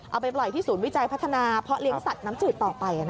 เอาไปปล่อยที่ศูนย์วิจัยพัฒนาเพาะเลี้ยงสัตว์น้ำจืดต่อไป